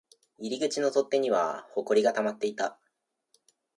入り口の取っ手には埃が溜まっていた